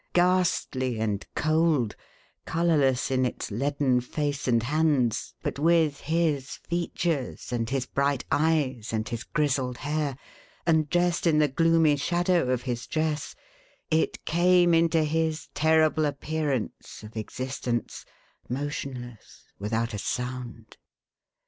Ghastly and cold, colourless in its leaden face and hands, but with his features, and his bright eyes, and his grizzled hair, and dressed in the gloomy shadow of his dress, it came into his terrible appearance of existence, motionless, without a sound.